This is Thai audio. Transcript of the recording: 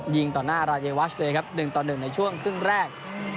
ยิงต่อหน้ารายวัชเลยครับ๑ต่อ๑ในช่วงครึ่งแรก